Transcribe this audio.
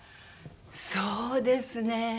そうですね。